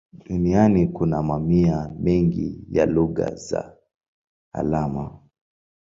Duniani kuna mamia mengi ya lugha za alama.